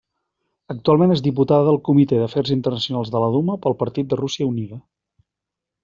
Actualment és diputada del Comitè d'Afers Internacionals de la Duma pel partit de Rússia Unida.